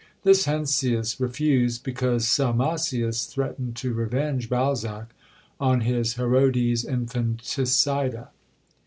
This Heinsius refused, because Salmasius threatened to revenge Balzac on his Herodes Infanticida.